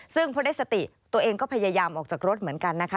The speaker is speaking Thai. ซึ่งพอได้สติตัวเองก็พยายามออกจากรถเหมือนกันนะคะ